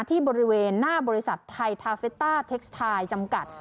ที่บริเวณหน้าบริษัทไทยทาเฟตต้าเท็กซ์ไทยจำกัด